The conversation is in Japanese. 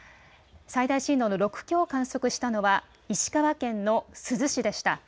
最大震度の６強を観測したのは石川県の珠洲市でした。